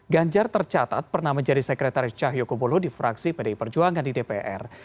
ganjar tercatat pernah menjadi sekretaris cahyokumolo di fraksi pdi perjuangan di dpr